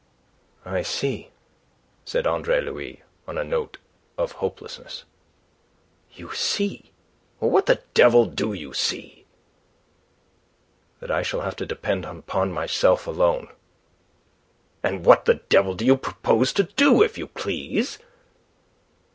"I see," said Andre Louis, on a note of hopelessness. "You see? What the devil do you see?" "That I shall have to depend upon myself alone." "And what the devil do you propose to do, if you please?"